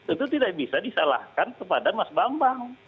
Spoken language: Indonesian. itu tidak bisa disalahkan kepada mas bambang